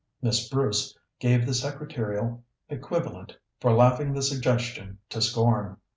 Miss Bruce gave the secretarial equivalent for laughing the suggestion to scorn.